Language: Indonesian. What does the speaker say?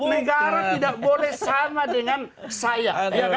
negara tidak boleh sama dengan saya